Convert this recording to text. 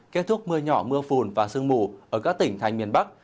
kết thúc mưa nhỏ mưa phùn và sương mù ở các tỉnh thành miền bắc